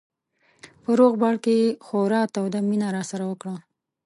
په روغبړ کې یې خورا توده مینه راسره وکړه.